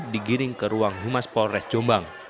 digiring ke ruang humas polres jombang